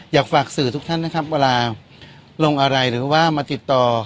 อยากฝากสื่อทุกท่านนะครับเวลาลงอะไรหรือว่ามาติดต่อ